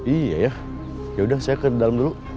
iya ya yaudah saya ke dalam dulu